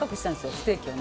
ステーキをね。